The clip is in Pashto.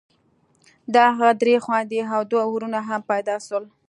د هغه درې خويندې او دوه ورونه هم پيدا سول.